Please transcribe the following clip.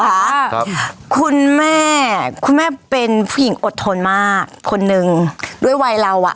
ครับคุณแม่คุณแม่เป็นผู้หญิงอดทนมากคนนึงด้วยวัยเราอ่ะ